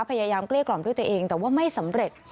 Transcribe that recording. เกลี้ยกล่อมด้วยตัวเองแต่ว่าไม่สำเร็จ